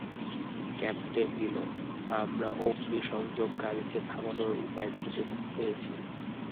Captain Neil, আমরা অগ্নিসংযোগকারীকে থামানোর উপায় খুঁজে পেয়েছি।